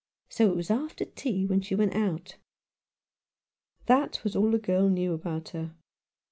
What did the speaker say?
So it Was after tea when she went out." That was all the girl knew about her.